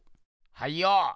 はいよ。